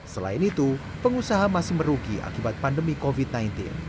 selain itu pengusaha masih merugi akibat pandemi covid sembilan belas